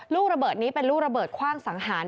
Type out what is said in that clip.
ลูกระเบิดนี้เป็นลูกระเบิดคว่างสังหาร